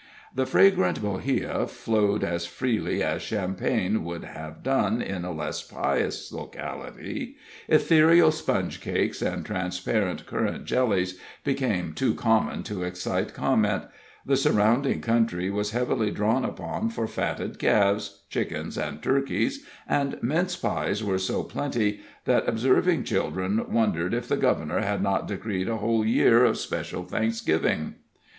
The fragrant bohea flowed as freely as champagne would have done in a less pious locality; ethereal sponge cakes and transparent currant jellies became too common to excite comment; the surrounding country was heavily drawn upon for fatted calves, chickens and turkeys, and mince pies were so plenty, that observing children wondered if the Governor had not decreed a whole year of special Thanksgiving.